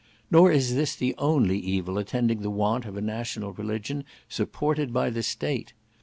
Nor is this the only evil attending the want of a national religion, supported by the State.